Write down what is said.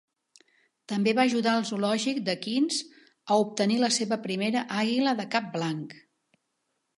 També va ajudar al zoològic de Queens a obtenir la seva primera àguila de cap blanc.